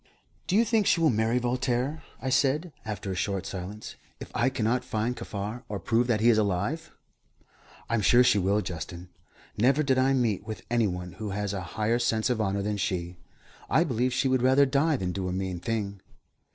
"Do you think she will marry Voltaire," I said, after a short silence, "if I cannot find Kaffar or prove that he is alive?" "I am sure she will, Justin. Never did I meet with any one who has a higher sense of honour than she. I believe she would rather die than do a mean thing."